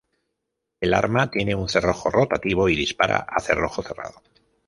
El arma tiene un cerrojo rotativo y dispara a cerrojo cerrado.